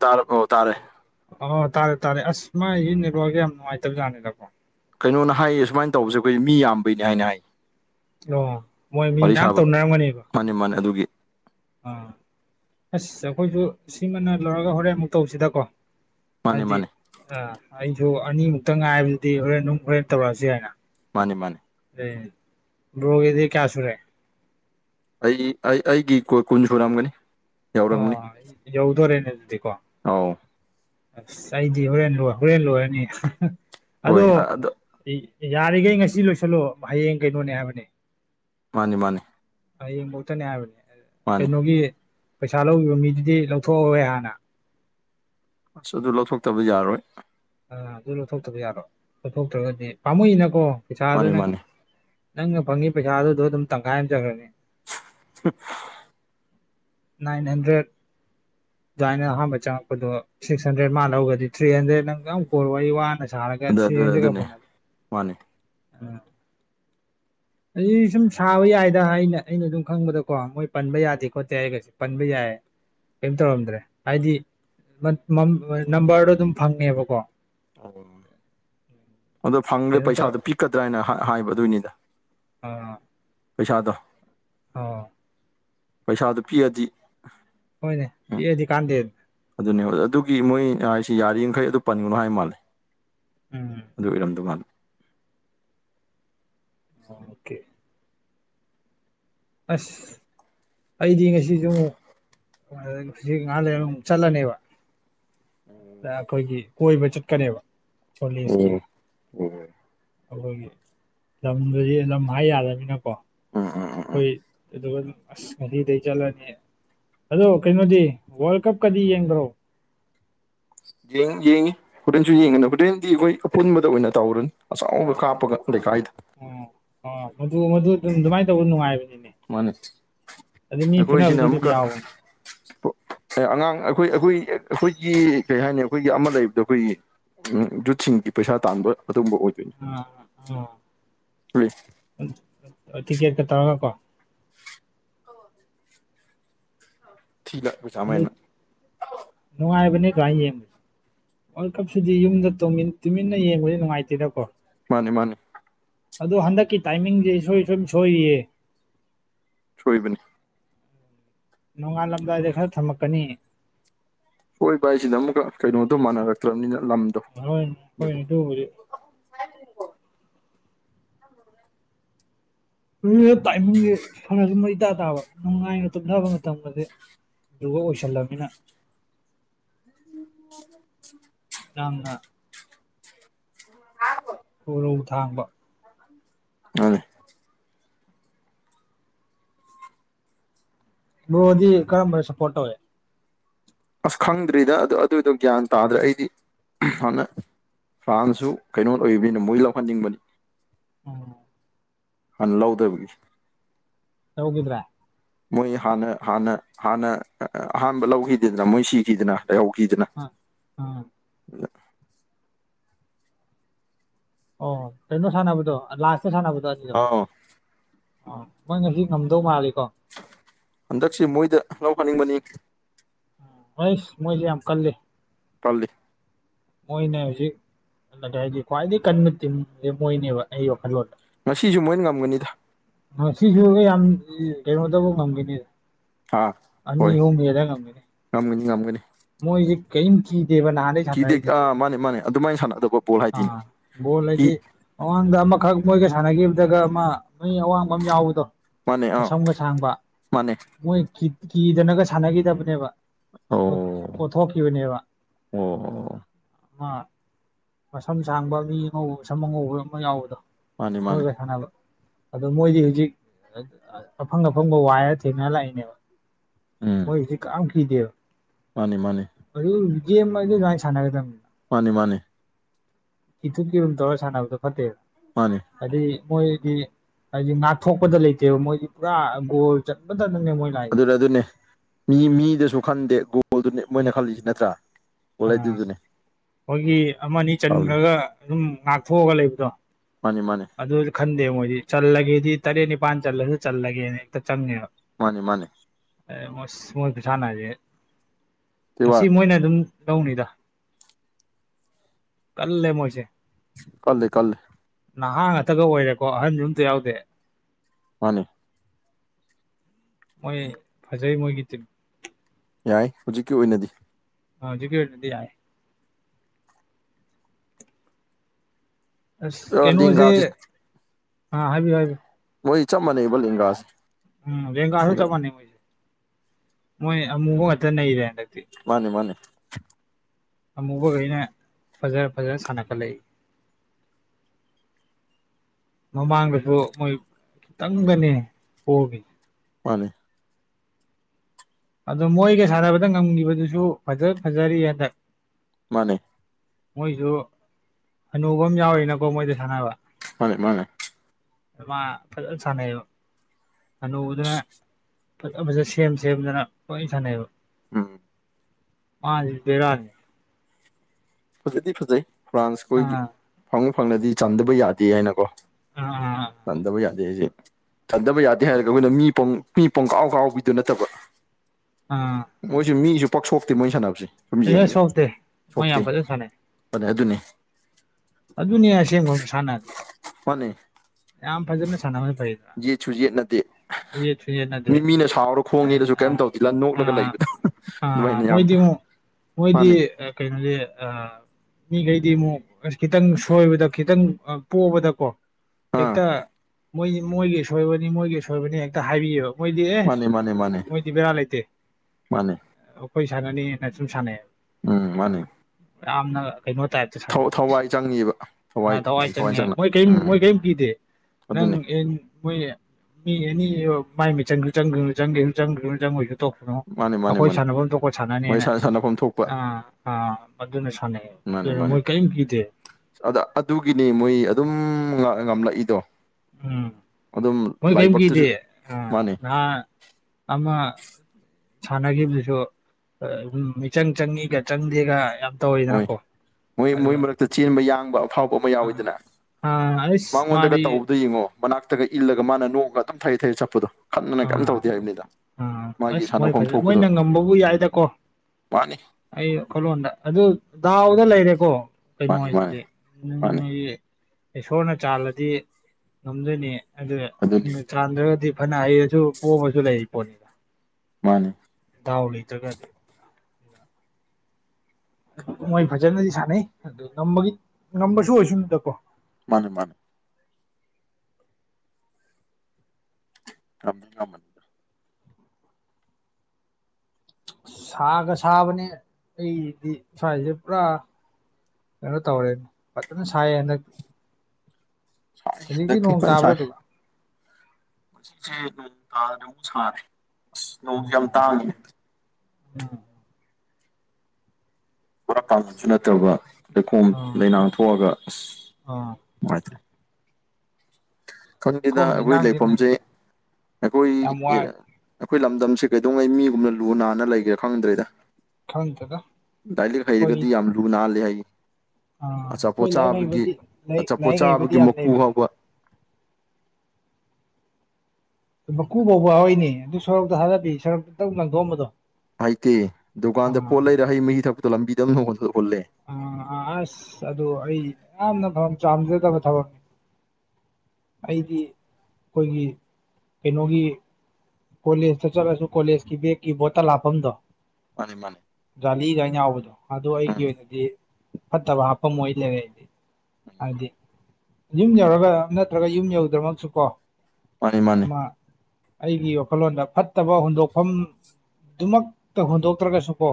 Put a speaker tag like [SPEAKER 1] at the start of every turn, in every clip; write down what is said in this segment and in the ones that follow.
[SPEAKER 1] ꯇꯥꯔꯕꯣ ꯇꯥꯔꯦ
[SPEAKER 2] ꯑꯣ ꯇꯥꯔꯦ ꯇꯥꯔꯦ ꯑꯁ ꯃꯥꯢꯖꯤ ꯅꯦꯠꯋꯥꯛꯁꯦ ꯌꯥꯝ ꯅꯨꯡꯉꯥꯏꯇꯕꯖꯥꯠꯅꯦꯗꯀꯣ
[SPEAKER 1] ꯀꯩꯅꯣꯅ ꯍꯥꯏꯌꯦ ꯁꯨꯃꯥꯏ ꯇꯧꯕꯁꯦ ꯑꯈꯣꯏ ꯃꯤ ꯌꯥꯝꯕꯩꯅꯤ ꯍꯥꯏꯅ ꯍꯥꯏ
[SPEAKER 2] ꯑꯣ ꯃꯣꯏ ꯃꯤ ꯃꯌꯥꯝ ꯇꯧꯅꯔꯝꯒꯅꯤꯕ
[SPEAKER 1] ꯃꯥꯅꯦ ꯃꯥꯅꯦ ꯑꯗꯨꯒꯤ
[SPEAKER 2] ꯑꯥ ꯑꯁ ꯑꯈꯣꯏꯖꯨ ꯁꯤꯃꯅ ꯂꯣꯢꯔꯒ ꯍꯣꯔꯦꯟ ꯑꯃꯨꯛ ꯇꯧꯁꯤꯗꯀꯣ
[SPEAKER 1] ꯃꯥꯅꯤ
[SPEAKER 2] ꯍꯥꯏꯗꯤ
[SPEAKER 1] ꯃꯥꯅꯤ
[SPEAKER 2] ꯑ ꯑꯩꯖꯨ ꯑꯅꯤꯃꯨꯛꯇ ꯉꯥꯏꯕꯗꯨꯗꯤ ꯍꯣꯔꯦꯟ ꯑꯗꯨꯝ ꯍꯣꯔꯦꯟ ꯇꯧꯔꯛꯑꯁꯨ ꯍꯥꯏꯅ
[SPEAKER 1] ꯃꯥꯅꯦ ꯃꯥꯅꯦ
[SPEAKER 2] ꯕ꯭ꯔꯣꯒꯤꯗꯤ ꯀꯌꯥ ꯁꯨꯨꯔꯦ
[SPEAKER 1] ꯑꯩ ꯑꯩ ꯑꯩꯒꯤ ꯀꯨꯟ ꯀꯨꯟꯁꯨꯨꯔꯝꯒꯅꯤ
[SPEAKER 2] ꯑꯣ ꯌꯧꯗꯣꯔꯦꯅꯦ ꯑꯗꯨꯗꯤꯀꯣ
[SPEAKER 1] ꯑꯧ
[SPEAKER 2] ꯑꯁ ꯑꯩꯗꯤ ꯍꯣꯔꯦꯟ ꯂꯣꯏ ꯍꯣꯔꯦꯟ ꯂꯣꯏꯔꯅꯤ
[SPEAKER 1] ꯍꯣꯏ
[SPEAKER 2] ꯑꯗꯣ
[SPEAKER 1] ꯑꯗ
[SPEAKER 2] ꯌꯥꯔꯤꯒꯩ ꯉꯁꯤ ꯂꯣꯏꯁꯜꯂꯣ ꯍꯌꯦꯡ ꯀꯩꯅꯣꯅꯦ ꯍꯥꯏꯕꯅꯦ
[SPEAKER 1] ꯃꯥꯅꯦ ꯃꯥꯅꯦ
[SPEAKER 2] ꯍꯌꯦꯡꯕꯣꯛꯇꯅꯤ ꯍꯥꯏꯕꯅꯤ
[SPEAKER 1] ꯃꯥꯅꯤ
[SPEAKER 2] ꯀꯩꯅꯣꯒꯤ ꯄꯩꯁꯥ ꯂꯧꯈꯤꯕ ꯃꯤꯗꯨꯗꯤ ꯂꯧꯊꯣꯛꯍꯧꯔꯣꯍꯦ ꯍꯥꯟꯅ
[SPEAKER 1] ꯑꯁ ꯑꯗꯨ ꯂꯧꯊꯣꯛꯇꯕ ꯌꯥꯔꯣꯏ
[SPEAKER 2] ꯑꯥ ꯑꯗꯨ ꯂꯧꯊꯣꯛꯇꯕ ꯌꯥꯔꯣꯢ ꯂꯧꯊꯣꯛꯇ꯭ꯔꯒꯗꯤ ꯄꯥꯝꯃꯨꯏꯅꯀꯣ ꯄꯩꯁꯥꯗꯣ
[SPEAKER 1] ꯃꯥꯅꯤ
[SPEAKER 2] ꯅꯪ
[SPEAKER 1] ꯃꯥꯅꯤ
[SPEAKER 2] ꯅꯪꯅ ꯐꯪꯉꯤ ꯄꯩꯁꯥꯗꯣ ꯑꯗꯨꯗ ꯑꯗꯨꯝ ꯇꯪꯈꯥꯏ ꯑꯃ ꯆꯠꯈ꯭ꯔꯅꯤ
[SPEAKER 1] [inaudible]
[SPEAKER 2] ꯅꯥꯏꯟ ꯍꯟꯗ꯭ꯔꯦꯠ ꯑꯗꯨꯃꯥꯏꯅ ꯑꯍꯥꯟꯕ ꯆꯪꯉꯛꯄꯗꯣ ꯁꯤꯛꯁ ꯍꯟꯗ꯭ꯔꯦꯗ ꯃꯥꯅ ꯂꯧꯒꯗꯤ ꯊ꯭ꯔꯤ ꯍꯟꯗ꯭ꯔꯦꯗ ꯅꯪ ꯑꯗꯨꯀꯌ꯭ꯥꯝ ꯀꯣꯂ ꯋꯥꯔꯤ ꯋꯥꯅ ꯁꯥꯔꯒ
[SPEAKER 1] ꯑꯗꯨ
[SPEAKER 2] ꯊꯔ꯭ꯤ
[SPEAKER 1] ꯑꯗꯨ
[SPEAKER 2] ꯍꯟꯗꯔ꯭ꯦꯠꯀ
[SPEAKER 1] ꯑꯗꯨꯅꯦ
[SPEAKER 2] ꯐꯪꯉꯥꯗꯤ
[SPEAKER 1] ꯃꯥꯅꯤ
[SPEAKER 2] ꯑꯩ ꯁꯨꯝ ꯁꯥꯕ ꯌꯥꯏꯗ ꯑꯩꯅ ꯑꯩꯅ ꯑꯗꯨꯝ ꯈꯪꯕꯗꯀꯣ ꯃꯣꯏ ꯄꯟꯕ ꯌꯥꯗꯦ ꯈꯣꯠꯇꯦ ꯍꯥꯔꯒꯁꯨ ꯄꯟꯕ ꯌꯥꯏ ꯀꯩꯝ ꯇꯧꯔꯝꯗ꯭ꯔꯦ ꯍꯥꯏꯗꯤ ꯅꯝꯕꯔꯗꯣ ꯑꯗꯨꯝ ꯐꯪꯉꯦꯕꯀꯣ
[SPEAKER 1] ꯑꯗꯣ ꯐꯪꯗꯦ
[SPEAKER 2] ꯀꯩꯅꯣ ꯇꯧꯔ
[SPEAKER 1] ꯄꯩꯁꯥꯗꯣ ꯄꯤꯛꯀꯗ꯭ꯔꯥ ꯍꯥꯏꯅ ꯍꯥꯏꯕ ꯑꯗꯨꯏꯅꯤꯗ
[SPEAKER 2] ꯑꯥ
[SPEAKER 1] ꯄꯩꯁꯥꯗꯣ
[SPEAKER 2] ꯑꯣ
[SPEAKER 1] ꯄꯩꯁꯥꯗꯨ ꯄꯤꯛꯑꯗꯤ
[SPEAKER 2] ꯍꯣꯏꯅꯦ ꯄꯤꯛꯑꯗꯤ ꯀꯥꯟꯗꯦ
[SPEAKER 1] ꯑꯗꯨꯅꯤ ꯑꯗꯨꯒꯤ ꯃꯣꯏ ꯍꯥꯏꯁꯤ ꯌꯥꯔꯤꯃꯈꯩ ꯑꯗꯨ ꯄꯟꯒꯅꯨ ꯍꯥꯏ ꯃꯥꯜꯂꯦ
[SPEAKER 2] ꯎꯝ
[SPEAKER 1] ꯑꯗꯨ ꯑꯣꯏꯔꯝꯗꯧ ꯃꯥꯜꯂꯦ
[SPEAKER 2] ꯑꯥ ꯑꯣꯀꯦ ꯑꯁ ꯑꯩꯗꯤ ꯉꯁꯤꯁꯨ ꯑꯃꯨꯛ [unintelligible] ꯍꯧꯖꯤꯛ ꯉꯍꯥꯛ ꯂꯩꯔ ꯑꯃꯨꯛ ꯆꯠꯂꯅꯤꯕ ꯗꯥ ꯑꯩꯈꯣꯏꯒꯤ ꯀꯣꯏꯕ ꯆꯠꯀꯅꯦꯕ ꯀꯣꯂꯦꯖꯀꯤ
[SPEAKER 1] ꯎꯨꯝ [unintelligible]
[SPEAKER 2] ꯑꯩꯈꯣꯏꯒꯤ [unintelligible] ꯂꯝ ꯍꯥꯏ ꯌꯥꯗꯕꯅꯤꯅꯀꯣ
[SPEAKER 1] ꯎꯝ ꯎꯝ ꯎꯝ ꯎꯨ
[SPEAKER 2] ꯍꯣꯏ ꯑꯗꯨꯝ ꯑꯁ ꯑꯗꯨꯗꯩ ꯆꯠꯂꯅꯤ ꯑꯗꯣ ꯀꯩꯅꯣꯗꯤ ꯋꯥꯔꯜ ꯀꯞꯀꯗꯤ ꯌꯦꯡꯗꯔꯣ
[SPEAKER 1] ꯌꯦꯡ ꯌꯦꯡꯉꯤ ꯍꯨꯔꯦꯟꯁꯨ ꯌꯦꯡꯉꯅꯤ ꯍꯨꯗꯦꯟꯗꯤ ꯑꯩꯈꯣꯏ ꯑꯄꯨꯟꯕꯗ ꯑꯣꯏꯅ ꯇꯧꯔꯅꯤ ꯑꯆꯥꯎꯕ ꯀꯥꯞꯄꯒ ꯂꯩꯀꯥꯏꯗ
[SPEAKER 2] ꯑꯝ ꯑꯥ ꯃꯗꯨ ꯃꯗꯨ ꯑꯗꯨꯝ ꯑꯗꯨꯃꯥꯏꯅ ꯇꯧꯕ ꯅꯨꯡꯉꯥꯏꯕꯅꯦ
[SPEAKER 1] ꯃꯥꯅꯤ ꯑꯩꯈꯣꯏꯁꯤꯅ
[SPEAKER 2] ꯐꯨꯅꯕꯁꯨ ꯑꯗꯨꯝ
[SPEAKER 1] ꯑꯃꯨꯛꯀ
[SPEAKER 2] ꯌꯥꯎꯕꯅꯦ
[SPEAKER 1] ꯑꯦ ꯑꯉꯥꯡ ꯑꯩꯈꯣꯏ ꯑꯩꯈꯣꯏ ꯑꯩꯈꯣꯏꯒꯤ ꯀꯩ ꯍꯥꯏꯅꯤ ꯑꯩꯈꯣꯏꯒꯤ ꯑꯃ ꯂꯩꯕꯗꯣ ꯑꯩꯈꯣꯏꯒꯤ ꯎꯝ ꯌꯖꯨꯠꯁꯤꯡꯒꯤ ꯄꯩꯁꯥ ꯇꯥꯟꯕ ꯑꯗꯨꯒꯨꯝꯕ ꯑꯣꯏ
[SPEAKER 2] ꯑꯥ ꯑꯣ
[SPEAKER 1] ꯍꯣꯏ
[SPEAKER 2] ꯑꯥ ꯇꯤꯛꯀꯦꯠꯀ ꯇꯧꯔ ꯀꯣ
[SPEAKER 1] ꯊꯤꯕ
[SPEAKER 2] ꯅꯨꯞ ꯅꯨꯉꯥꯏꯕꯅꯤ ꯑꯗꯨꯃꯥꯏꯅ ꯌꯦꯡꯕ ꯋꯥꯔꯜ ꯀꯞꯁꯤꯗꯤ ꯌꯨꯝꯗ ꯇꯨꯃꯤꯟ ꯇꯨꯃꯤꯟꯅ ꯌꯦꯡꯕꯗꯤ ꯅꯨꯡꯉꯥꯏꯇꯦꯗꯀꯣ
[SPEAKER 1] ꯃꯥꯟꯅꯦ ꯃꯥꯟꯅꯦ
[SPEAKER 2] ꯑꯗꯣ ꯍꯟꯗꯛꯀꯤ ꯇꯥꯏꯃꯤꯡꯗꯤ ꯏꯁꯣꯏ ꯁꯣꯏ ꯁꯣꯏꯔꯤꯌꯦ
[SPEAKER 1] ꯁꯣꯏꯕꯅꯤ
[SPEAKER 2] ꯅꯣꯡꯉꯥꯜꯂꯝꯗꯥꯏꯗ ꯈꯔ ꯊꯝꯃꯛꯀꯅꯤ
[SPEAKER 1] ꯍꯣꯏ ꯚꯥꯏꯁꯤꯗ ꯑꯃꯨꯛꯀ ꯀꯩꯅꯣꯗꯧ ꯃꯥꯟꯅꯔꯛꯇ꯭ꯔꯕꯅꯤꯅ ꯂꯝꯗꯣ
[SPEAKER 2] [unintelligible]
[SPEAKER 1] ꯑꯗꯨꯒꯤ
[SPEAKER 2] ꯍꯣꯏꯅꯦ ꯑꯗꯨꯕꯨꯗꯤ [unintelligible] ꯇꯥꯏꯃꯤꯡꯁꯦ ꯐꯥꯔꯒ ꯑꯃ ꯏꯇꯥ ꯇꯥꯕ ꯅꯨꯡꯉꯥꯏꯅ ꯇꯨꯝꯊꯕ ꯃꯇꯝꯗꯗꯤ [unintelligible] ꯑꯣꯏꯁꯜꯂꯝꯅꯤꯅ
[SPEAKER 1] [unintelligible]
[SPEAKER 2] ꯇꯥꯡꯅ
[SPEAKER 1] [unintelligible]
[SPEAKER 2] ꯈꯨꯔꯧ ꯊꯥꯡꯕ
[SPEAKER 1] ꯑꯗꯨꯅꯦ
[SPEAKER 2] ꯕ꯭ꯔꯣꯗꯤ ꯀꯔꯝꯕ ꯁꯄ꯭ꯔꯣꯠ ꯇꯧꯋꯦ
[SPEAKER 1] ꯑꯁ ꯈꯪꯗ꯭ꯔꯤꯗ ꯑꯗꯨ ꯑꯗꯨꯏꯗꯣ ꯒ꯭ꯌꯥꯟ ꯇꯥꯗ꯭ꯔꯦ ꯑꯩꯗꯤ ꯍꯥꯟꯅ ꯐꯥꯔꯟꯁꯖꯨ ꯀꯩꯅꯣ ꯑꯣꯏꯕꯅꯤꯅ ꯃꯣꯏ ꯂꯧꯍꯟꯅꯤꯡꯕꯅꯤ
[SPEAKER 2] ꯑꯣ
[SPEAKER 1] ꯍꯥꯟꯅ ꯂꯧꯗꯕꯒꯤ
[SPEAKER 2] ꯇꯧꯒꯗꯔꯥ
[SPEAKER 1] ꯃꯣꯏ ꯍꯟꯅ ꯍꯟꯅ ꯍꯥꯟꯅ ꯑꯍꯥꯝꯕ ꯂꯧꯒꯤꯗꯦꯗꯅ ꯃꯣꯏ ꯁꯤꯈꯤꯗꯅ ꯂꯩꯍꯧꯈꯤꯗꯅ
[SPEAKER 2] [unintelligible] ꯎꯝ
[SPEAKER 1] [unintelligible]
[SPEAKER 2] ꯑꯣ ꯀꯩꯅꯣ ꯁꯥꯟꯅꯕꯗꯣ ꯂꯥꯁꯇ ꯁꯥꯟꯅꯕꯗꯣ ꯑꯗꯨꯗꯣ
[SPEAKER 1] ꯑꯥꯎ
[SPEAKER 2] ꯑ ꯃꯣꯏꯅꯗꯤ ꯉꯝꯗꯧ ꯃꯥꯜꯂꯤꯀꯣ
[SPEAKER 1] ꯍꯟꯗꯛꯁꯤ ꯃꯣꯏꯗ ꯂꯧꯍꯟꯅꯤꯡꯕꯅꯤ
[SPEAKER 2] ꯍꯩꯁ ꯃꯣꯏꯗꯤ ꯌꯥꯝ ꯀꯜꯂꯤ
[SPEAKER 1] ꯀꯜꯂꯤ
[SPEAKER 2] ꯃꯣꯏꯅ ꯍꯨꯖꯤꯛ ꯂꯒꯥꯏꯒꯤ ꯈ꯭ꯋꯥꯏꯗꯩ ꯀꯟꯕ ꯇꯤꯝꯖ‌ꯦ ꯃꯣꯏꯅꯦꯕ ꯑꯩ ꯋꯥꯈꯜꯂꯣꯟꯗ
[SPEAKER 1] ꯉꯁꯤꯖꯨ ꯃꯣꯏꯟ ꯉꯝꯒꯅꯤꯗ
[SPEAKER 2] ꯉꯁꯤꯖꯨ ꯌꯥꯝ ꯀꯩꯅꯣꯗꯕꯨ ꯉꯝꯒꯅꯤ
[SPEAKER 1] ꯑꯥ ꯍꯣꯏ ꯉꯝꯒꯅꯤ ꯉꯝꯒꯅꯤ
[SPEAKER 2] ꯃꯣꯏꯖꯦ ꯀꯌꯤꯝ ꯀꯤꯗꯦꯕ ꯅꯍꯥꯟꯗꯩ
[SPEAKER 1] ꯀꯤꯗꯦ
[SPEAKER 2] ꯁꯥꯅꯔꯤꯅ‌ꯦ
[SPEAKER 1] ꯑꯥ
[SPEAKER 2] ꯃꯣꯏꯗꯤ
[SPEAKER 1] ꯃꯥꯅꯦ ꯃꯥꯅꯦ ꯑꯗꯨꯃꯥꯏꯅ ꯁꯥꯟꯅꯗꯕ ꯕꯣꯜ
[SPEAKER 2] ꯑ
[SPEAKER 1] ꯍꯥꯏꯗꯤꯅꯦ
[SPEAKER 2] ꯕꯣꯜ ꯂꯩꯗꯤ
[SPEAKER 1] ꯀꯤ
[SPEAKER 2] ꯃꯃꯥꯡꯗ ꯑꯃꯥꯈꯛ ꯃꯣꯏꯒ ꯁꯥꯅꯒꯤꯕꯗꯒ ꯑꯃꯥ ꯃꯤ ꯑꯋꯥꯡ ꯕꯝ ꯌꯥꯎꯕꯗꯣ
[SPEAKER 1] ꯃꯥꯅꯦ ꯑꯥ
[SPEAKER 2] ꯃꯁꯝꯒ ꯁꯥꯡꯕ
[SPEAKER 1] ꯃꯥꯅꯦ
[SPEAKER 2] ꯃꯣꯏ ꯀꯤꯗ ꯀꯤꯗꯅꯒ ꯁꯥꯅꯒꯤꯗꯕꯅꯦꯕ ꯄꯣꯗ
[SPEAKER 1] ꯑꯣ
[SPEAKER 2] ꯄꯣꯊꯣꯛꯈꯤꯕꯅꯦꯕ
[SPEAKER 1] ꯑꯣ
[SPEAKER 2] ꯑꯥ ꯃꯁꯝ ꯁꯥꯡꯕ ꯃꯤ ꯑꯉꯧꯕ ꯁꯝ ꯑꯉꯧꯕ ꯑꯃꯥ ꯌꯥꯎꯕꯗꯣ
[SPEAKER 1] ꯃꯥꯅꯤ ꯃꯥꯅꯤ
[SPEAKER 2] ꯃꯣꯏꯒ ꯁꯥꯅꯕ ꯑꯗꯨ ꯃꯣꯏꯗꯤ ꯍꯨꯖꯤꯛ ꯑꯐꯪ ꯑꯐꯪꯕ ꯋꯥꯏꯔ ꯊꯦꯡꯅ ꯂꯥꯛꯏꯅꯦꯕ ꯃꯣꯏ ꯍꯨꯖꯤꯛ ꯀꯅꯥꯝ ꯀꯤꯗꯦꯕ
[SPEAKER 1] ꯃꯥꯟꯅꯦ ꯃꯥꯟꯅꯦ
[SPEAKER 2] ꯍꯧꯖꯤꯛ ꯍꯨꯖꯤꯛ ꯒꯦꯝ ꯑꯗꯤ ꯑꯗꯨꯃꯥꯏ ꯁꯥꯅꯒꯗꯝꯅꯤ
[SPEAKER 1] ꯃꯥꯟꯅꯤ ꯃꯥꯟꯅꯦ
[SPEAKER 2] ꯀꯤꯊꯨ ꯀꯤꯔꯨꯝ ꯇꯧꯔ ꯁꯅꯕꯗꯣ ꯐꯠꯇꯦ
[SPEAKER 1] ꯃꯥꯟꯅꯦ
[SPEAKER 2] ꯑꯗꯩ ꯃꯣꯒꯤ ꯍꯥꯏꯗꯤ ꯉꯥꯛꯊꯣꯛꯄꯗ ꯂꯩꯇꯦꯕ ꯃꯣꯏꯗꯤ ꯄꯨꯔꯥ ꯒꯣꯜ ꯆꯟꯕꯗꯗꯪꯅꯦ ꯃꯣꯏꯅ
[SPEAKER 1] [unintelligible] ꯑꯗꯨꯅꯦ ꯃꯤ ꯃꯤꯗꯁꯨ ꯈꯟꯗꯦ ꯒ‌ꯣ ꯕꯣꯜꯗꯨ ꯅ‌ꯦ
[SPEAKER 2] ꯎꯝ
[SPEAKER 1] ꯃꯣꯏꯅ ꯈꯜꯂꯤꯖꯤꯅꯤ ꯅꯠꯇ꯭ꯔꯥ ꯒꯣꯜ ꯍꯥꯏꯗꯨꯗꯨꯅꯦ
[SPEAKER 2] ꯃ‌ꯣꯏꯒꯤ ꯑꯃꯥ ꯑꯅꯤ
[SPEAKER 1] ꯐꯕꯅꯦ
[SPEAKER 2] ꯆꯟꯈ꯭ꯔꯒ ꯑꯗꯨꯝ ꯉꯥꯛꯊꯣꯛꯑꯒ ꯂꯩꯕꯗꯣ
[SPEAKER 1] ꯃꯥꯟꯅꯦ ꯃꯥꯟꯅꯦ
[SPEAKER 2] ꯑꯗꯨꯖꯨ ꯈꯟꯗꯦ ꯃꯣꯏꯗꯤ ꯆꯜꯂꯒꯦꯗꯤ ꯇꯔꯦꯠ ꯅꯤꯄꯥꯟ ꯆꯜꯂꯁꯨ ꯆꯜꯂꯒꯦꯅ ꯍꯦꯛꯇ ꯆꯪꯉꯦꯕ
[SPEAKER 1] ꯃꯥꯟꯅꯦ ꯃꯥꯟꯅꯦ
[SPEAKER 2] ꯑ‌ꯦ ꯃꯁ ꯃꯣꯏ ꯈꯨꯁꯥꯅꯖ‌ꯦ ꯉꯁꯤ
[SPEAKER 1] ꯇꯤꯋꯥꯔ
[SPEAKER 2] ꯃꯣꯏꯅ ꯑꯗꯨꯝ ꯂꯧꯅꯤꯗ ꯀꯜꯂꯦ ꯃꯣꯏꯁꯦ
[SPEAKER 1] ꯀꯜꯂꯦ ꯀꯜꯂꯦ
[SPEAKER 2] ꯅꯍꯥ ꯉꯥꯛꯇꯒ ꯑꯣꯏꯔꯦꯀꯣ ꯑꯍꯟꯖꯨ ꯑꯝꯇ ꯌꯥꯎꯗꯦ
[SPEAKER 1] ꯃꯥꯟꯅꯦ
[SPEAKER 2] ꯃꯣꯏ ꯐꯖꯩ ꯃꯣꯏꯒꯤ ꯇꯤꯝ
[SPEAKER 1] ꯌꯥꯏ ꯍꯨꯖꯤꯛꯀꯤ ꯑꯣꯏꯅꯗꯤ
[SPEAKER 2] ꯑꯥ ꯍꯨꯖꯤꯛ ꯑꯣꯏꯅꯗꯤ ꯌꯥꯏ ꯑꯁ
[SPEAKER 1] ꯑ
[SPEAKER 2] ꯀꯩꯅꯣꯖꯦ
[SPEAKER 1] ꯂꯦꯡꯒꯥꯁꯤ
[SPEAKER 2] ꯑꯥ ꯍꯥꯏꯕꯤꯌꯨ ꯍꯥꯏꯕꯤꯌꯨ꯫
[SPEAKER 1] ꯃꯣꯏ ꯆꯞ ꯃꯥꯟꯅꯩꯕ ꯂꯦꯡꯒꯥꯁꯦ꯫
[SPEAKER 2] ꯎꯝ ꯂꯦꯡꯒꯥꯁꯨ
[SPEAKER 1] ꯑꯗꯣ
[SPEAKER 2] ꯆꯞ ꯃꯥꯟꯅꯩ ꯃꯣꯏꯁꯦ ꯃꯣꯏ ꯑꯃꯨꯕ ꯉꯛꯇ ꯅꯩꯔꯦ ꯍꯟꯗꯛꯇꯤ꯫
[SPEAKER 1] ꯃꯥꯅꯦ ꯃꯥꯅꯦ꯫
[SPEAKER 2] ꯑꯃꯨꯕꯒꯩꯅ ꯐꯖ ꯐꯖꯅ ꯁꯥꯟꯅꯈꯠꯂꯛꯏ꯫ ꯃꯃꯥꯡꯗꯁꯨ ꯃꯣꯏ ꯈꯤꯇꯪꯗꯅꯦ ꯄꯣꯒ꯭ꯔꯤ
[SPEAKER 1] ꯃꯥꯅꯦ꯫
[SPEAKER 2] ꯑꯗꯣ ꯃꯣꯏꯒ ꯁꯥꯟꯅꯕꯗ ꯉꯝꯈꯤꯕꯗꯨꯁꯨ ꯐꯖ ꯐꯖꯔꯤꯌꯦ ꯍꯟꯗꯛ꯫
[SPEAKER 1] ꯃꯥꯅꯦ꯫
[SPEAKER 2] ꯃꯣꯏꯁꯨ ꯍꯅꯨꯕ ꯑꯃ ꯌꯥꯎꯔꯤꯅꯀꯣ ꯃꯣꯏꯗ ꯁꯥꯟꯅꯕ꯫
[SPEAKER 1] ꯃꯥꯅꯦ ꯃꯥꯥꯅꯦ꯫
[SPEAKER 2] ꯃꯥ ꯐꯖꯅ ꯁꯥꯟꯅꯩꯌꯦꯕ꯫ ꯍꯅꯨꯕꯗꯨꯅ ꯐꯖ ꯐꯖ ꯁꯦꯝ ꯁꯦꯝꯗꯅ ꯂꯣꯏ ꯁꯥꯅꯩꯑꯦꯕ꯫
[SPEAKER 1] ꯎꯝ꯫
[SPEAKER 2] ꯃꯥꯁꯤ ꯕꯦꯔꯥꯅꯦ꯫
[SPEAKER 1] ꯐꯖꯗꯤ ꯐꯖꯩ ꯐ꯭ꯔꯥꯟꯁ ꯈꯣꯏꯒꯤ
[SPEAKER 2] ꯑꯥ
[SPEAKER 1] ꯐꯪꯕꯨ ꯐꯪꯑꯗꯤ ꯆꯥꯟꯗꯕ ꯌꯥꯗꯦ ꯍꯥꯏꯅꯀꯣ꯫
[SPEAKER 2] ꯑꯥ
[SPEAKER 1] ꯆꯟꯗꯕ ꯌꯥꯗꯦ ꯍꯥꯏꯁꯦ ꯆꯟꯗꯕ ꯌꯥꯗꯦ
[SPEAKER 2] ꯑꯥ
[SPEAKER 1] ꯍꯥꯏꯔꯒ ꯃꯣꯏꯅ ꯃꯤ ꯄꯣꯡ ꯃꯤ ꯄꯣꯡꯀꯥꯎ ꯀꯥꯎꯕꯤꯗꯨ ꯅꯠꯇꯕ꯫
[SPEAKER 2] ꯑꯥ꯫
[SPEAKER 1] ꯃꯣꯏꯁꯦ ꯃꯤꯁꯨ ꯄꯥꯛ ꯁꯣꯛꯇꯦ ꯃꯣꯏ ꯁꯥꯟꯅꯕꯁꯦ ꯁꯨꯝ
[SPEAKER 2] ꯐꯖꯅ
[SPEAKER 1] ꯌꯦꯡꯉꯒ
[SPEAKER 2] ꯁꯣꯛꯇꯦ ꯃꯣꯏ
[SPEAKER 1] ꯁꯣꯛꯇꯦ꯫
[SPEAKER 2] ꯌꯥꯝ ꯐꯖꯅ ꯁꯥꯟꯅꯩ
[SPEAKER 1] [unintelligible] ꯑꯗꯨꯅꯦ꯫
[SPEAKER 2] ꯑꯗꯨꯅꯦ ꯑꯁꯦꯡꯕ ꯈꯨꯁꯥꯟꯅꯗꯤ꯫
[SPEAKER 1] ꯃꯥꯅꯦ꯫
[SPEAKER 2] ꯌꯥꯝ ꯐꯖꯅ ꯁꯥꯟꯅꯕꯅ ꯐꯩꯌꯦ꯫
[SPEAKER 1] ꯌꯦꯠꯁꯨꯨ ꯌꯦꯠꯅꯗꯦ꯫
[SPEAKER 2] ꯌꯦꯠꯅꯗꯦ
[SPEAKER 1] ꯃꯤ ꯃꯤꯅ ꯁꯥꯎꯔꯒ ꯈꯣꯡ ꯅꯦꯠꯂꯁꯨ ꯀꯩꯝ
[SPEAKER 2] ꯑꯥ
[SPEAKER 1] ꯇꯧꯗꯦ ꯂꯟ ꯅꯣꯛꯂꯒ
[SPEAKER 2] ꯑꯥ
[SPEAKER 1] ꯂꯩꯕꯗꯣ
[SPEAKER 2] ꯑꯥ
[SPEAKER 1] ꯑꯗꯨꯃꯥꯏꯅ ꯌꯥꯝ
[SPEAKER 2] ꯃꯣꯏꯗꯤ ꯑꯃꯨꯛ ꯃꯣꯏꯗꯤ
[SPEAKER 1] ꯃꯥꯅꯦ
[SPEAKER 2] ꯑ ꯀꯩꯅꯣꯗꯤ ꯑꯥ ꯃꯤꯈꯩꯗꯤ ꯑꯃꯨꯛ ꯑꯁ ꯈꯤꯇꯪ ꯁꯣꯏꯕꯗ ꯈꯤꯇꯪ ꯑ ꯄꯣꯕꯗꯀꯣ
[SPEAKER 1] ꯑꯥ
[SPEAKER 2] ꯍꯦꯛꯇ ꯃꯣꯏ ꯃꯣꯏꯒꯤ ꯑꯁꯣꯏꯕꯅꯤ ꯃꯣꯏꯒꯤ ꯑꯁꯣꯏꯕꯅꯤ ꯍꯦꯛꯇ ꯍꯥꯏꯕꯤꯌꯦꯕ꯫ ꯃꯣꯏꯗꯤ ꯑꯦ
[SPEAKER 1] ꯃꯥꯅꯦ ꯃꯥꯅꯦ ꯃꯥꯅꯦ
[SPEAKER 2] ꯃꯣꯏꯗꯤ ꯕꯦꯔꯥ ꯂꯩꯇꯦ꯫
[SPEAKER 1] ꯃꯥꯅꯦ
[SPEAKER 2] ꯑꯩꯈꯣꯏ ꯁꯥꯟꯅꯤꯅ ꯁꯨꯝ ꯁꯥꯟꯅꯩꯌꯦ꯫
[SPEAKER 1] ꯎꯝ ꯃꯥꯅꯦ꯫
[SPEAKER 2] ꯌꯥꯝꯅ ꯀꯩꯅꯣ ꯇꯥꯏꯞꯇ
[SPEAKER 1] ꯊꯋꯥꯏ
[SPEAKER 2] ꯁꯥꯟꯅꯩꯌꯦ
[SPEAKER 1] ꯊꯋꯥꯏ ꯆꯪꯉꯤꯕ
[SPEAKER 2] [unintelligible] ꯊꯋꯥꯏ
[SPEAKER 1] ꯌꯥꯝ
[SPEAKER 2] ꯆꯪꯉꯦ
[SPEAKER 1] ꯆꯪꯅ
[SPEAKER 2] ꯃꯣꯏ ꯀꯩꯝ
[SPEAKER 1] ꯎꯝ
[SPEAKER 2] ꯃꯣꯏ ꯀꯩꯝ ꯄꯤꯗꯦ ꯅꯪ
[SPEAKER 1] ꯑꯗꯨꯅꯤ
[SPEAKER 2] [unintelligible] ꯃꯣꯏ ꯃꯤ ꯑꯅꯤ ꯃꯥꯏ ꯃꯤꯆꯪ [unintelligible] ꯊꯣꯛꯁꯅꯨ
[SPEAKER 1] ꯃꯥꯅꯤ ꯃꯥꯅꯤ
[SPEAKER 2] ꯑꯩꯈꯣꯏ
[SPEAKER 1] ꯃꯥꯅꯤ
[SPEAKER 2] ꯁꯥꯟꯅꯐꯝ ꯊꯣꯛꯄ ꯁꯥꯟꯅꯅꯤ
[SPEAKER 1] ꯃꯣꯏ ꯏꯁꯥ ꯁꯥꯟꯅꯐꯝ ꯊꯣꯛꯄ꯫
[SPEAKER 2] ꯑꯥ ꯑꯥ ꯑꯗꯨꯝꯅ ꯁꯥꯅꯩꯌꯦ
[SPEAKER 1] ꯃꯥꯅꯤ
[SPEAKER 2] ꯑꯗꯨꯅ
[SPEAKER 1] ꯃꯥꯅꯤ
[SPEAKER 2] ꯃꯣꯏ ꯀꯩꯝ ꯀꯤꯗꯦ꯫
[SPEAKER 1] ꯑꯗ ꯑꯗꯨꯒꯤꯅꯦ ꯃꯣꯏ ꯑꯗꯨꯝ ꯉ-ꯉꯝꯂꯛꯏꯗꯣ꯫
[SPEAKER 2] ꯎꯝ ꯃꯣꯏ ꯀꯩꯝ ꯀꯤꯗꯦ ꯑ
[SPEAKER 1] ꯃꯥꯅꯤ
[SPEAKER 2] ꯅꯍꯥꯟ ꯑꯃ ꯁꯥꯟꯅꯈꯤꯕꯗꯨꯁꯨ ꯑ ꯑꯗꯨꯝ ꯃꯤꯆꯪ ꯆꯪꯉꯤꯒ ꯆꯪꯗꯦꯒ ꯌꯥꯝ
[SPEAKER 1] ꯃꯣꯏ
[SPEAKER 2] ꯇꯧꯋꯤꯗꯅꯀꯣ꯫
[SPEAKER 1] ꯃꯣꯏ
[SPEAKER 2] ꯑꯗꯨ
[SPEAKER 1] ꯃꯣꯏ ꯃꯔꯛꯇ ꯆꯦꯟꯕ ꯌꯥꯡꯕ ꯑꯐꯥꯎꯕ ꯑꯃ
[SPEAKER 2] ꯑꯥ
[SPEAKER 1] ꯌꯥꯎꯋꯤꯗꯅ꯫
[SPEAKER 2] ꯑꯥ ꯑꯩꯁ
[SPEAKER 1] ꯃꯉꯣꯟꯗꯒ
[SPEAKER 2] ꯃꯥꯗꯤ
[SPEAKER 1] ꯇꯧꯕꯗꯣ ꯌꯦꯡꯉꯣ ꯃꯅꯥꯛꯇꯒ ꯏꯜꯂꯒ ꯃꯥꯅ ꯅꯣꯡꯑꯒ ꯑꯗꯨꯝ ꯊꯩꯔꯥ ꯊꯩꯔꯥ ꯆꯠꯄꯗꯣ꯫ ꯈꯟꯗꯅ ꯀꯩꯝ
[SPEAKER 2] ꯑꯥ
[SPEAKER 1] ꯇꯧꯗꯦ ꯍꯥꯏꯕꯅꯤꯗ
[SPEAKER 2] ꯑꯥ
[SPEAKER 1] ꯃꯥꯒꯤ
[SPEAKER 2] ꯑꯁ ꯃꯣꯏ
[SPEAKER 1] ꯁꯥꯟꯅꯐꯝ
[SPEAKER 2] ꯐꯖ
[SPEAKER 1] ꯊꯣꯛꯄꯗꯣ
[SPEAKER 2] ꯃꯣꯏꯅ ꯉꯝꯕꯕꯨ ꯌꯥꯏꯗꯀꯣ
[SPEAKER 1] ꯃꯥꯅꯤ꯫
[SPEAKER 2] ꯑꯩ ꯈꯨꯂꯣꯟꯗ ꯑꯗꯨ ꯗꯥꯎꯗ ꯂꯩꯔꯦꯀꯣ ꯀꯩꯅꯣ
[SPEAKER 1] ꯃꯥꯅꯤ ꯃꯥꯅꯤ
[SPEAKER 2] ꯍꯥꯏꯁꯤꯗꯤ
[SPEAKER 1] ꯃꯥꯅꯤ
[SPEAKER 2] [unintelligible] ꯏꯁꯣꯔꯅ ꯆꯥꯜꯂꯗꯤ ꯉꯝꯗꯣꯏꯅꯤ
[SPEAKER 1] ꯑꯗꯨꯅꯤ
[SPEAKER 2] ꯑꯗꯨꯅ ꯆꯥꯟꯗ꯭ꯔꯒꯗꯤ ꯐꯅ ꯍꯩꯔꯁꯨ ꯄꯣꯕꯁꯨ ꯂꯩꯔꯤ ꯄꯣꯠꯅꯤ
[SPEAKER 1] ꯃꯥꯟꯅꯤ
[SPEAKER 2] ꯗꯥꯎ ꯂꯩꯇ꯭ꯔꯒꯗꯤ ꯃꯣꯏ ꯐꯖꯅꯗꯤ ꯁꯥꯟꯅꯩ ꯑꯗꯨ ꯉꯝꯕꯒꯤꯗꯤ ꯉꯝꯕꯁꯨ ꯑꯣꯏꯁꯅꯨꯗꯀꯣ
[SPEAKER 1] ꯃꯥꯅꯦ ꯃꯥ ꯉꯝꯗꯤ ꯉꯝꯕꯅꯦ
[SPEAKER 2] ꯁꯥꯒ ꯁꯥꯕꯅꯦ ꯑꯩꯖꯤꯗꯤ ꯁ꯭ꯋꯥꯏꯖꯦ ꯄꯨꯔꯥ ꯀꯩꯅꯣ ꯇꯧꯔꯦꯅꯦ ꯐꯖꯅ ꯁꯥꯏꯌꯦ ꯍꯟꯗꯛ
[SPEAKER 1] ꯁꯥꯏ
[SPEAKER 2] ꯍꯧꯖꯤꯛꯇꯤ
[SPEAKER 1] ꯍꯟꯗꯛꯇꯤ
[SPEAKER 2] ꯅꯣꯡ ꯇꯥꯕ꯭ꯔꯥ ꯑꯗꯨꯝ
[SPEAKER 1] ꯍꯨꯖꯤꯛꯇꯤ ꯅꯨꯡꯁꯥ ꯑꯗꯨꯝ ꯁꯥꯔꯤ ꯑꯁ ꯅꯣꯡꯁꯦ
[SPEAKER 2] ꯎꯝ
[SPEAKER 1] ꯌꯥꯝ ꯇꯥꯡꯉꯦꯅꯦ
[SPEAKER 2] ꯎꯝ
[SPEAKER 1] ꯄꯨꯔꯥ ꯇꯥꯕꯁꯨ ꯅꯠꯇꯕ ꯂꯩꯈꯣꯝ
[SPEAKER 2] ꯑꯥ
[SPEAKER 1] ꯂꯩꯅꯥꯡ ꯊꯣꯛꯑꯒ ꯑꯁ
[SPEAKER 2] ꯑꯥ
[SPEAKER 1] ꯅꯨꯡꯉꯥꯏꯇ꯭ꯔꯦ ꯈꯪꯗꯦꯗ
[SPEAKER 2] ꯂꯩꯈꯣꯝ
[SPEAKER 1] ꯑꯩꯈꯣꯏ ꯂꯩꯐꯝꯖꯦ
[SPEAKER 2] ꯂꯩꯅꯥꯡꯁꯤꯅꯅꯦ
[SPEAKER 1] ꯑꯩꯈꯣꯏ
[SPEAKER 2] ꯌꯥꯝ
[SPEAKER 1] ꯑꯦ
[SPEAKER 2] ꯋꯥꯏ
[SPEAKER 1] ꯑꯩꯈꯣꯏ ꯂꯝꯗꯝꯁꯦ ꯀꯩꯗꯧꯉꯩ ꯃꯤꯒꯨꯝꯅ ꯂꯨ ꯅꯥꯟꯅ ꯂꯩꯒꯦꯔꯥ ꯈꯪꯗ꯭ꯔꯦꯗ
[SPEAKER 2] ꯈꯪꯗꯦꯗ
[SPEAKER 1] ꯂꯥꯏꯔꯤꯛ
[SPEAKER 2] ꯑꯩꯈꯣꯏꯒꯤ
[SPEAKER 1] ꯍꯩꯔꯒꯗꯤ ꯌꯥꯝ ꯂꯨ ꯅꯥꯜꯂꯦ ꯍꯥꯏꯌꯦ
[SPEAKER 2] ꯑꯥ
[SPEAKER 1] ꯑꯆꯥꯄꯣꯠ
[SPEAKER 2] ꯑꯩꯈꯣꯏ ꯂꯥꯏꯔꯤꯛ
[SPEAKER 1] ꯆꯥꯕꯒꯤ
[SPEAKER 2] ꯍꯩꯕꯗꯤ ꯂꯥꯏꯔꯤꯛ
[SPEAKER 1] ꯑꯆꯥꯄꯣꯠ
[SPEAKER 2] ꯂꯥꯏꯔꯤꯛ ꯍꯩꯕꯗꯤ
[SPEAKER 1] ꯆꯥꯕꯒꯤ
[SPEAKER 2] ꯌꯥꯝ
[SPEAKER 1] ꯃꯀꯨ
[SPEAKER 2] ꯂꯩꯕꯅꯦ
[SPEAKER 1] ꯐꯥꯎꯕ
[SPEAKER 2] ꯃꯀꯨ ꯐꯥꯎꯕ ꯍꯣꯏꯅꯦ ꯑꯗꯨ ꯁꯣꯔꯣꯛꯇ ꯊꯥꯗꯗꯦ ꯁꯣꯔꯣꯛꯇ ꯑꯗꯨꯝ ꯂꯪꯊꯣꯛꯑꯝꯕꯗꯣ
[SPEAKER 1] ꯍꯥꯏꯗꯤ ꯗꯨꯀꯥꯟꯗ
[SPEAKER 2] ꯑꯥ
[SPEAKER 1] ꯄꯣꯠ ꯂꯩꯔ ꯍꯩ ꯃꯍꯤ ꯊꯛꯄꯗꯣ ꯂꯝꯕꯤꯗ ꯑꯃꯛ ꯍꯨꯜꯂꯦ
[SPEAKER 2] ꯑ ꯑ ꯑꯁ ꯑꯗꯨ ꯑꯩ ꯌꯥꯝꯅ ꯐꯝ ꯆꯥꯝꯖꯗꯕ ꯊꯕꯛꯅꯤ ꯑꯩꯗꯤ ꯑꯩꯈꯣꯏꯒꯤ ꯀꯩꯅꯣꯒꯤ ꯀꯣꯂꯦꯖꯇ ꯆꯠꯂꯁꯨ ꯀꯣꯂꯦꯖꯀꯤ ꯕꯦꯛꯀꯤ ꯕꯣꯠꯇꯜ ꯍꯥꯞꯐꯝꯗꯣ
[SPEAKER 1] ꯃꯥꯅꯤ ꯃꯥꯅꯤ
[SPEAKER 2] ꯖꯥꯂꯤꯗꯥꯢ ꯌꯥꯎꯕꯗꯣ ꯑꯗꯨ ꯑꯩꯒꯤ ꯑꯣꯏꯅꯗꯤ ꯐꯠꯇꯕ ꯍꯥꯞꯐꯝ ꯑꯣꯏ ꯂꯩꯔꯦ ꯑꯩꯗꯤ ꯍꯥꯏꯕꯗꯤ ꯌꯨꯝ ꯌꯧꯔꯒ ꯅꯠꯇ꯭ꯔꯒ ꯌꯨꯝ ꯌꯧꯗ꯭ꯔꯃꯛꯁꯨ ꯀꯣ
[SPEAKER 1] ꯃꯥꯅꯦ ꯃꯥꯅꯦ
[SPEAKER 2] ꯃꯥ ꯑꯩꯒꯤ ꯌꯣ ꯋꯥꯈꯜꯂꯣꯟꯗ ꯐꯠꯇꯕ ꯍꯨꯟꯗꯣꯛꯐꯝ ꯗꯨꯃꯛꯇ ꯍꯨꯟꯗꯣꯛꯇ꯭ꯔꯒꯁꯨ ꯀꯣ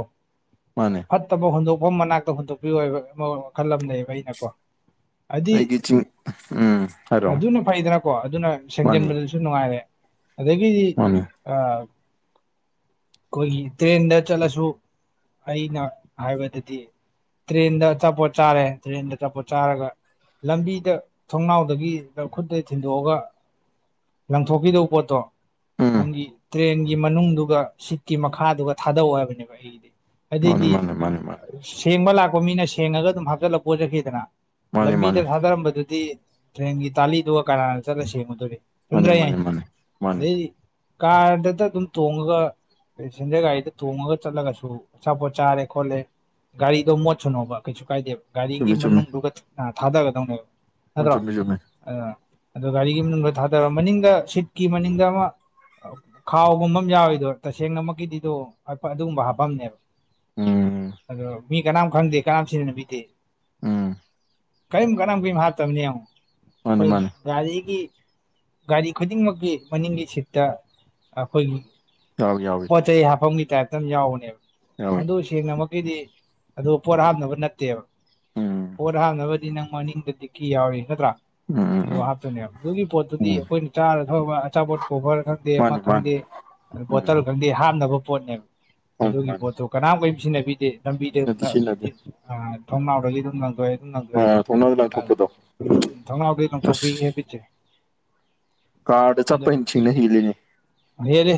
[SPEAKER 1] ꯃꯥꯅꯦ
[SPEAKER 2] ꯐꯠꯇꯕ ꯍꯨꯟꯗꯣꯛꯐꯝ ꯃꯅꯥꯛꯇ ꯍꯨꯟꯗꯣꯛꯄꯤꯌꯨ ꯍꯥꯏꯕ ꯑꯃ ꯋꯥꯈꯜ ꯑꯃ ꯂꯩꯌꯦꯕ ꯑꯩꯅ ꯀꯣ ꯍꯥꯏꯗꯤ
[SPEAKER 1] ꯑꯩꯒꯤ ꯆꯤꯡ ꯎꯝ ꯍꯥꯏꯔꯣ
[SPEAKER 2] ꯑꯗꯨꯅ ꯐꯩꯗꯅꯀꯣ ꯑꯗꯨꯅ
[SPEAKER 1] ꯃꯥꯅꯤ
[SPEAKER 2] ꯁꯦꯡꯖꯟꯕꯗꯁꯨ ꯖꯨ ꯅꯨꯡꯉꯥꯏꯔꯦ ꯑꯗꯒꯤꯗꯤ
[SPEAKER 1] ꯃꯥꯅꯤ
[SPEAKER 2] ꯑꯥ ꯑꯩꯈꯣꯏꯒꯤ ꯇ꯭ꯔꯦꯟꯗ ꯆꯠꯂꯁꯨ ꯑꯩꯅ ꯍꯥꯏꯕꯗꯗꯤ ꯇ꯭ꯔꯦꯟꯗ ꯑꯆꯥꯄꯣꯠ ꯆꯥꯔꯦ ꯇ꯭ꯔꯦꯟꯗ ꯑꯆꯥꯄꯣꯠ ꯆꯥꯔꯒ ꯂꯝꯕꯤꯗ ꯊꯣꯡꯅꯥꯎꯗꯒꯤ ꯈꯨꯠꯀ ꯊꯤꯟꯗꯣꯛꯑꯒ ꯂꯪꯊꯣꯛꯈꯤꯗꯧ ꯄꯣꯠꯇꯣ
[SPEAKER 1] ꯎꯝ
[SPEAKER 2] ꯅꯪꯒꯤ ꯇ꯭ꯔꯦꯟꯒꯤ ꯃꯅꯨꯡꯗꯨꯒ ꯁꯤꯠꯀꯤ ꯃꯈꯥꯗꯨꯒ ꯊꯥꯗꯧ ꯍꯥꯏꯕꯅꯦꯕ ꯑꯩꯒꯤꯗꯤ
[SPEAKER 1] ꯃꯥꯅꯦ
[SPEAKER 2] ꯑꯗꯨꯏꯗꯤ
[SPEAKER 1] ꯃꯥꯅꯦ ꯃꯥꯅꯦ ꯃꯥꯅꯦ
[SPEAKER 2] ꯁꯦꯡꯕ ꯂꯥꯛꯄ ꯃꯤꯅ ꯁꯦꯡꯉꯒ ꯑꯗꯨꯝ ꯍꯥꯞꯆꯜꯂꯒ ꯄꯨꯔ ꯆꯠꯈꯤꯗꯅ
[SPEAKER 1] ꯃꯥꯅꯦ
[SPEAKER 2] ꯂꯝꯕꯤꯗ
[SPEAKER 1] ꯃꯥꯅꯦ
[SPEAKER 2] ꯊꯥꯗꯔꯝꯕꯗꯨꯗꯤ ꯇ꯭ꯔꯦꯟꯒꯤ ꯇꯥꯂꯤꯗꯨꯒ ꯀꯅꯥꯅ ꯆꯠꯂ ꯁꯦꯡꯉꯨꯗꯧꯔꯤ ꯆꯨꯝꯗ꯭ꯔꯥ
[SPEAKER 1] ꯃꯥꯅꯦ
[SPEAKER 2] ꯑꯩ
[SPEAKER 1] ꯃꯥꯅꯦ
[SPEAKER 2] ꯍꯥꯢꯖꯦ
[SPEAKER 1] ꯃꯥꯅꯦ ꯃꯥꯅꯦ
[SPEAKER 2] ꯑꯗꯩꯗꯤ ꯀꯥꯔꯗꯇ ꯑꯗꯨꯝ ꯇꯣꯡꯉꯒ ꯄꯦꯁꯦꯟꯖꯔ ꯒꯥꯔꯤꯗ ꯊꯣꯡꯉꯒ ꯆꯠꯂꯒꯁꯨ ꯑꯆꯥꯄꯣꯠ ꯆꯥꯔꯦ ꯈꯣꯠꯂꯦ ꯒꯥꯔꯤꯗꯣ ꯃꯣꯠꯁꯅꯣꯕ ꯀꯩꯁꯨ ꯀꯥꯏꯗꯦꯕ ꯒꯥꯔꯤꯒꯤ
[SPEAKER 1] ꯆꯨꯝꯃꯤ ꯆꯨꯝꯃꯤ
[SPEAKER 2] ꯃꯅꯨꯡꯗꯨꯒ ꯊꯥꯗꯒꯗꯧꯅꯦꯕ
[SPEAKER 1] ꯎꯝ
[SPEAKER 2] ꯅꯠꯇ꯭ꯔꯣ
[SPEAKER 1] ꯆꯨꯝꯃꯤ ꯆꯨꯝꯃꯤ
[SPEAKER 2] ꯑꯗꯨꯅ ꯑꯗꯨ ꯒꯥꯔꯤꯒꯤ ꯃꯅꯨꯡꯗ ꯂꯣꯏ ꯊꯥꯗꯔꯣ ꯃꯅꯤꯡꯗ ꯁꯤꯠꯀꯤ ꯃꯅꯤꯡꯗ ꯑꯃ ꯈꯥꯎꯒꯨꯝꯕ ꯑꯃ ꯌꯥꯎꯔꯤꯗꯣ ꯇꯁꯦꯡꯅꯃꯛꯀꯤꯗꯤꯗꯣ ꯑꯄ ꯑꯗꯨꯒꯨꯝꯕ ꯍꯥꯞꯄꯝꯅꯦꯕ
[SPEAKER 1] ꯎꯝ
[SPEAKER 2] ꯑꯗꯣ ꯃꯤ ꯀꯅꯥꯝ ꯈꯪꯗꯦ ꯀꯅꯥꯝ ꯁꯤꯖꯟꯅꯕꯤꯗꯦ
[SPEAKER 1] ꯎꯝ
[SPEAKER 2] ꯀ꯭ꯌꯤꯝ ꯀꯅꯥꯝ ꯀꯩꯝ ꯍꯥꯞꯇꯝꯅꯦ ꯌꯦꯡꯉꯣ
[SPEAKER 1] ꯃꯥꯅꯤ
[SPEAKER 2] ꯈꯣꯢ
[SPEAKER 1] ꯃꯥꯅꯤ
[SPEAKER 2] ꯒꯥꯔꯤꯒꯤ ꯒꯥꯔꯤ ꯈꯨꯗꯤꯡꯃꯛꯀꯤ ꯃꯅꯤꯡꯒꯤ ꯁꯤꯠꯇ ꯑꯈꯣꯢꯒꯤ
[SPEAKER 1] ꯌꯥꯎꯏ ꯌꯥꯎꯏ
[SPEAKER 2] ꯄꯣꯠ ꯆꯩꯩ ꯍꯥꯐꯝꯒꯤ ꯇꯥꯏꯞꯇ ꯑꯝ ꯌꯥꯎꯕꯅꯦꯕ
[SPEAKER 1] ꯌꯥꯎꯏ
[SPEAKER 2] ꯃꯗꯨ ꯁꯦꯡꯅꯃꯛꯀꯤꯗꯤ ꯑꯗꯨ ꯄꯣꯠ ꯍꯥꯞꯅꯕ ꯅꯠꯇꯦꯕ
[SPEAKER 1] ꯎꯝ
[SPEAKER 2] ꯄꯣꯠ ꯍꯥꯞꯅꯕꯗꯤ ꯅꯪ ꯃꯅꯤꯡꯗꯤ ꯗꯤꯀꯤ ꯌꯥꯎꯔꯤ ꯅꯠꯇ꯭ꯔꯥ
[SPEAKER 1] ꯎꯝ ꯎꯝ
[SPEAKER 2] ꯑꯗꯨ
[SPEAKER 1] ꯎꯝ
[SPEAKER 2] ꯍꯥꯞꯇꯣꯢꯅꯦꯕ ꯑꯗꯨꯒꯤ ꯄꯣꯠꯇꯨꯗꯤ
[SPEAKER 1] ꯎꯝ
[SPEAKER 2] ꯑꯩꯈꯣꯢꯅ ꯆꯥꯔ ꯊꯛꯎꯕ ꯑꯆꯥꯄꯣꯠ ꯀꯣꯕꯔ ꯈꯪꯗꯦ ꯑꯃ
[SPEAKER 1] ꯃꯥꯅꯤ ꯃꯥꯅꯤ
[SPEAKER 2] ꯈꯪꯗꯦ
[SPEAKER 1] ꯎꯝ
[SPEAKER 2] ꯕꯣꯇꯜ ꯈꯪꯗꯦ ꯍꯥꯞꯅꯕ ꯄꯣꯠꯅꯦꯕ
[SPEAKER 1] ꯃꯥꯅꯤ
[SPEAKER 2] ꯑꯗꯨꯒꯤ
[SPEAKER 1] ꯃꯥꯅꯤ
[SPEAKER 2] ꯄꯣꯠꯇꯣ ꯀꯅꯥꯝ ꯀꯦꯝ ꯁꯤꯖꯤꯟꯅꯕꯤꯗꯦ ꯂꯝꯕꯤꯗ
[SPEAKER 1] ꯁꯤꯅꯗꯤ
[SPEAKER 2] ꯑ
[SPEAKER 1] ꯁꯤꯅꯗꯤ
[SPEAKER 2] ꯒꯤ ꯑ ꯊꯣꯡꯅꯥꯎꯗꯒꯤ ꯑꯗꯨꯝ ꯂꯪꯊꯣꯛꯑꯦ ꯎꯝ
[SPEAKER 1] ꯑ
[SPEAKER 2] ꯂꯪꯊꯣꯛꯑꯦ
[SPEAKER 1] ꯊꯣꯡꯅꯥꯎꯗ
[SPEAKER 2] ꯑ
[SPEAKER 1] ꯂꯪꯊꯣꯛꯄꯗꯣ
[SPEAKER 2] ꯊꯣꯡꯅꯥꯎꯗꯩ
[SPEAKER 1] ꯑꯁ
[SPEAKER 2] ꯂꯪꯊꯣꯛꯄꯤꯒꯤ ꯍꯦꯕꯤꯠꯆꯦ
[SPEAKER 1] ꯀꯥꯔꯗ ꯆꯛꯄꯩ ꯁꯤꯡꯉ ꯍꯤꯡꯂꯤꯅꯦ
[SPEAKER 2] ꯃꯍꯦꯜꯂꯦ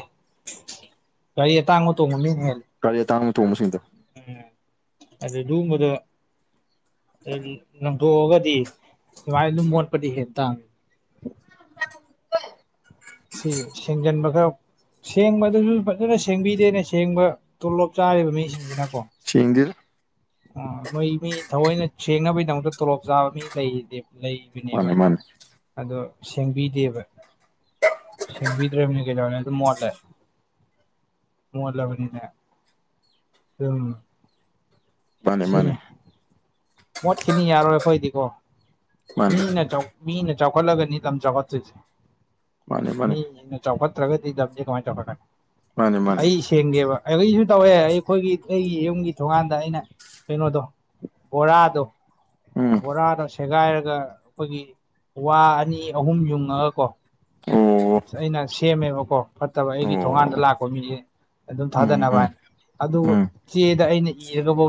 [SPEAKER 2] ꯒꯥꯔꯤ ꯑꯇꯥꯡꯕ ꯇꯣꯡꯕ ꯃꯤꯅ ꯍꯦꯜꯂꯦ
[SPEAKER 1] ꯒꯥꯔꯤ ꯑꯇꯥꯡꯕ ꯇꯣꯡꯕꯁꯤꯡꯗꯣ
[SPEAKER 2] ꯎꯝ ꯑꯗꯨꯗꯨꯝꯕꯗꯣ ꯀꯔꯤ ꯂꯪꯊꯣꯛꯑꯒꯗꯤ ꯗꯨꯃꯥꯢꯅ ꯗꯨꯝ ꯃꯣꯠꯄꯗꯤ ꯍꯦꯟ ꯇꯥꯝꯅꯤ ꯁꯦ ꯁꯦꯡꯖꯟꯕꯒ ꯁꯦꯡꯕꯗꯨꯖꯨ ꯐꯖꯅ ꯁꯦꯡꯕꯤꯗꯦꯅꯦ ꯁꯦꯡꯕ ꯇꯣꯂꯣꯞ ꯆꯥꯔꯤꯕ ꯃꯤꯁꯤꯡꯖꯤꯅꯀꯣ
[SPEAKER 1] ꯁꯦꯡꯗꯦꯗ
[SPEAKER 2] ꯑꯣ ꯃꯧꯢ ꯃꯤ ꯊꯑꯣꯢꯅ ꯁꯦꯡꯅꯕꯩꯗꯃꯛꯇ ꯇꯣꯂꯣꯞ ꯆꯥꯕ ꯃꯤ ꯂꯩꯔꯤꯖꯤꯗꯤ ꯂꯩ ꯗꯨꯅꯦꯕ
[SPEAKER 1] ꯃꯥꯅꯦ ꯃꯥꯅꯦ
[SPEAKER 2] ꯑꯗꯣ ꯁꯦꯡꯕꯤꯗꯦꯕ ꯁꯦꯡꯕꯤꯗ꯭ꯔꯃꯤꯅ ꯀꯩꯗꯧꯔꯨꯅꯤ ꯑꯗꯨꯝ ꯃꯣꯠꯂꯦ ꯃꯣꯠꯂꯕꯅꯤꯅ ꯗꯨꯝ
[SPEAKER 1] ꯃꯥꯅꯦ ꯃꯥꯅꯦ
[SPEAKER 2] ꯃꯣꯠꯈꯤꯅꯤ ꯌꯥꯔꯣꯢ ꯑꯩꯈꯣꯢꯗꯤꯀꯣ
[SPEAKER 1] ꯃꯥꯅꯦ
[SPEAKER 2] ꯃꯤꯅ ꯆꯧ ꯃꯤꯅ ꯆꯥꯎꯈꯠꯂꯒꯅꯤ ꯂꯝ ꯆꯥꯎꯈꯠꯇꯨꯢꯖꯤ
[SPEAKER 1] ꯃꯥꯅꯦ ꯃꯥꯅꯦ
[SPEAKER 2] ꯃꯤꯒꯤ ꯅ ꯆꯥꯎꯈꯠꯇ꯭ꯔꯒꯗꯤ ꯂꯝꯖꯦ ꯀꯃꯥꯢ ꯆꯥꯎꯈꯠꯀꯅꯤ
[SPEAKER 1] ꯃꯥꯅꯦ ꯃꯥꯅꯦ
[SPEAKER 2] ꯑꯩꯁꯤ ꯊꯦꯡꯒꯦꯕ ꯑꯩꯁꯨ ꯇꯧꯋꯦ ꯑꯩꯈꯣꯢꯒꯤ ꯑꯩꯒꯤ ꯌꯨꯝꯒꯤ ꯊꯣꯡꯒꯥꯟꯗ ꯑꯩꯅ ꯀꯩꯅꯣꯗꯣ ꯕꯣꯔꯥꯗꯣ
[SPEAKER 1] ꯎꯝ
[SPEAKER 2] ꯕꯣꯔꯥꯗꯣ ꯁꯦꯒꯥꯏꯔꯒ ꯑꯈꯣꯢꯒꯤ ꯋꯥ ꯑꯅꯤ ꯑꯍꯨꯝ ꯌꯨꯡꯉꯒ ꯀꯣ
[SPEAKER 1] ꯑꯣ
[SPEAKER 2] ꯑꯁ ꯑꯩꯅ ꯁꯦꯝꯃꯦꯕꯀꯣ ꯐꯠꯇꯕ
[SPEAKER 1] ꯑꯣ
[SPEAKER 2] ꯑꯩꯒꯤ ꯊꯣꯡꯒꯥꯟꯗ ꯂꯥꯛꯄ ꯃꯤꯖꯦ ꯑꯗꯨꯝ
[SPEAKER 1] ꯎꯝ ꯎꯝ
[SPEAKER 2] ꯊꯥꯗꯅꯕꯅ ꯑꯗꯨꯒ
[SPEAKER 1] ꯎꯝ
[SPEAKER 2] ꯆꯦꯗ ꯑꯩꯅ ꯏꯔꯒꯕꯧ ꯊꯝ